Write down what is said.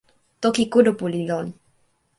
toki kulupu li lon.